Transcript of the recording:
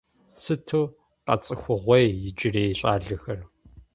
Сыту къэцӏыхугъуей иджырей щӏалэхэр…